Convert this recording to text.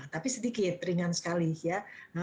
tapi sedikit ringan sekali ya